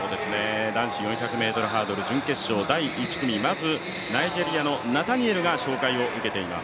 男子４００ｍハードル準決勝、第１組、まずナイジェリアのナタニエルが紹介を受けています。